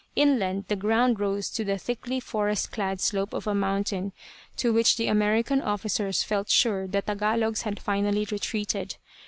Inland the ground rose to the thickly forest clad slope of a mountain, to which the American officers felt sure the Tagalogs had finally retreated.